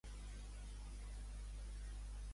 Quan va passar a ser la primera tinent d'alcaldia?